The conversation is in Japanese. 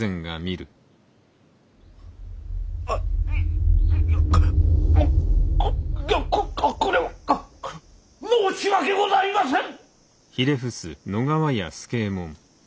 あかっここれは申し訳ございません！